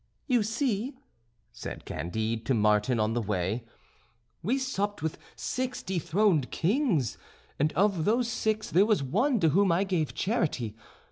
"You see," said Candide to Martin on the way, "we supped with six dethroned kings, and of those six there was one to whom I gave charity.